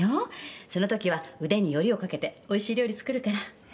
その時は腕によりをかけておいしい料理作るから。